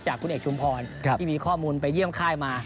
คุณเอกชุมพรที่มีข้อมูลไปเยี่ยมค่ายมา